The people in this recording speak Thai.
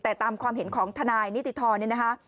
แต่ตามความเห็นของทนายนิติธรเนี่ยนะคะ